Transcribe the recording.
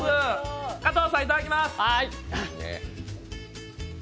加藤さん、いただきます！